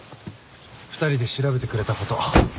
２人で調べてくれたこと。